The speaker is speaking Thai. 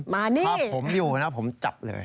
มานี่ถ้าผมอยู่นะผมจับเลย